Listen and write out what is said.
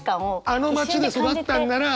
あの町で育ったんなら。